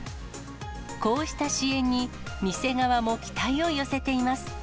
こうした支援に、店側も期待を寄せています。